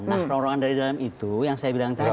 nah rorongan dari dalam itu yang saya bilang tadi